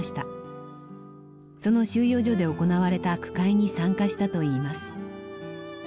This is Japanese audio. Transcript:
その収容所で行われた句会に参加したといいます。